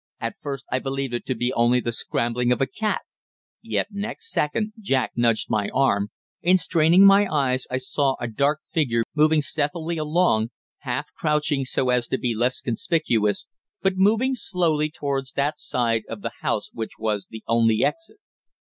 At first I believed it to be only the scrambling of a cat. But next second Jack nudged my arm, and straining my eyes I saw a dark figure moving stealthily along, half crouching so as to be less conspicuous, but moving slowly towards that side of the house which was the only exit.